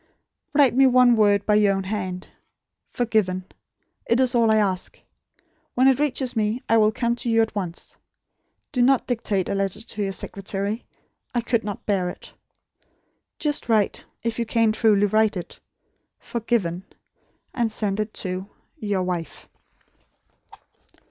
"Write me one word by your own hand: 'Forgiven.' It is all I ask. When it reaches me, I will come to you at once. Do not dictate a letter to your secretary. I could not bear it. Just write if you can truly write it 'FORGIVEN'; and send it to 'Your Wife.'"